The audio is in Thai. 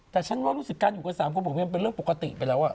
แต่ฉันว่ารู้สึกการอยู่กับสามคนผงเมียเป็นเรื่องปกติไปแล้วอ่ะ